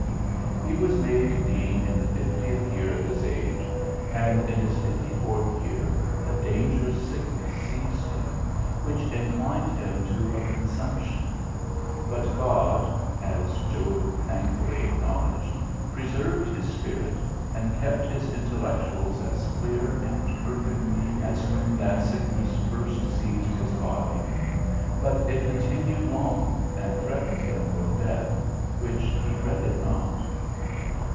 He was made Dean in the fiftieth year of his age, and in his fifty fourth year a dangerous sickness seized him, which inclined him to a consumption; but God, as Job thankfully acknowledged, preserved his spirit, and kept his intellectuals as clear and perfect as when that sickness first seized his body; but it continued long, and threatened him with death, which he dreaded not.